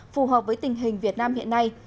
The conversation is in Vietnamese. phù hợp với tình hình việt nam hiện nay